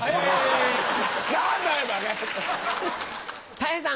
たい平さん。